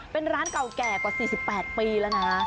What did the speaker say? เป็นร้านเก่าแก่กว่า๔๘ปีแล้วนะ